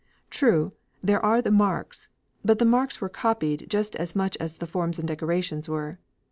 True, there are the marks, but the marks were copied just as much as the forms and decorations were.